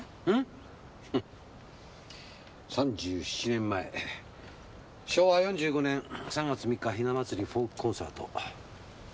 ３７年前昭和４５年３月３日ひな祭りフォークコンサート。